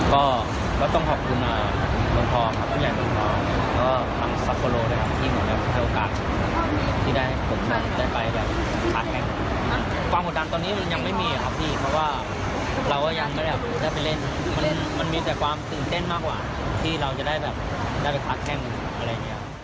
มันมีแต่ความตื่นเต้นมากว่าที่เราจะได้แบบได้ไปพักแข้งอะไรอย่างนี้